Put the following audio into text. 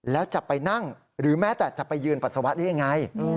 แล้วจะไปนั่งหรือแม้แต่จะไปยืนปัสสาวะได้ยังไง